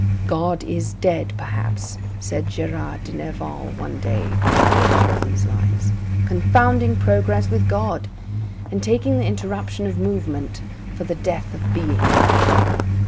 "God is dead, perhaps," said Gerard de Nerval one day to the writer of these lines, confounding progress with God, and taking the interruption of movement for the death of Being.